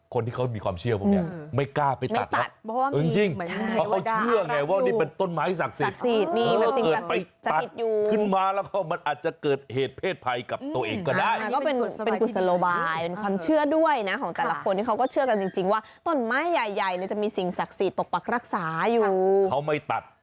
คนที่เขามีความเชื่อความอย่างนี้มันกล้าไปตัด